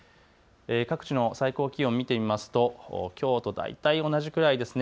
各地の最高気温見てみますときょうと大体同じくらいですね。